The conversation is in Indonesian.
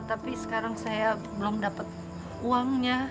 tapi sekarang saya belum dapat uangnya